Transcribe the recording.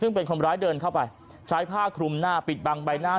ซึ่งเป็นคนร้ายเดินเข้าไปใช้ผ้าคลุมหน้าปิดบังใบหน้า